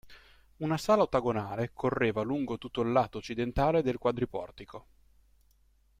Una sala ottagonale correva lungo tutto il lato occidentale del quadriportico.